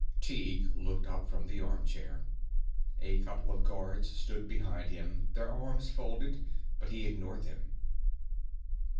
Tighe looked up from the armchair. A couple of guards stood behind him, their arms folded, but he ignored them.